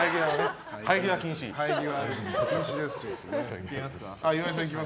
生え際禁止です。